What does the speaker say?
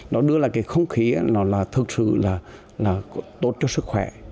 nó đưa lại cái không khí nó là thực sự là tốt cho sức khỏe